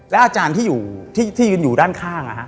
แล้วอาจารย์ที่อยู่ที่ที่ยืนอยู่ด้านข้างเลยฮะ